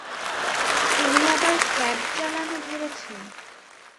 তুমি আবার ক্যাব চালানো ধরেছো?